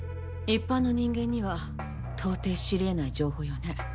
一般の人間には到底知り得ない情報よね。